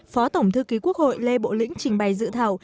phó tổng thư ký quốc hội lê bộ lĩnh trình bày dự thảo